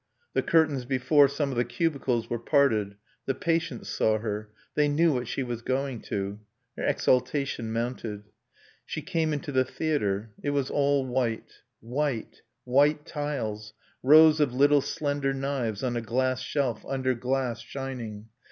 The curtains before some of the cubicles were parted; the patients saw her; they knew what she was going to. Her exaltation mounted. She came into the theatre. It was all white. White. White tiles. Rows of little slender knives on a glass shelf, under glass, shining.